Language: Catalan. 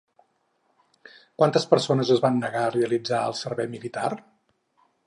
Quantes persones es van negar a realitzar el servei militar?